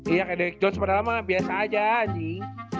iya kayak derrick jones pada lama biasa aja anjing